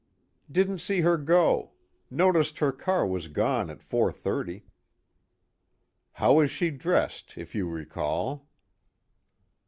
"Didn't see her go. Noticed her car was gone at four thirty." "How was she dressed, if you recall?"